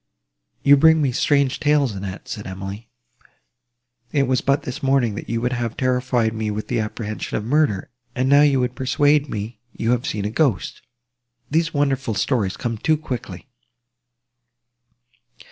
"You bring me strange tales, Annette," said Emily: "it was but this morning, that you would have terrified me with the apprehension of murder; and now you would persuade me, you have seen a ghost! These wonderful stories come too quickly."